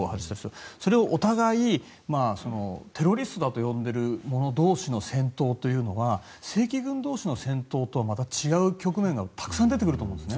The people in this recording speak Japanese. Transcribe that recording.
それをお互いテロリストだと呼んでいる者同士の戦闘というのは正規軍同士の戦闘とはまた違う局面がたくさん出てくると思うんです。